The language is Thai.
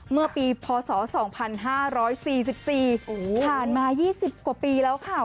เมื่อปีพศ๒๕๔๔ผ่านมา๒๐กว่าปีแล้วค่ะ